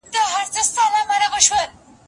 مهاراجا ته لیږي.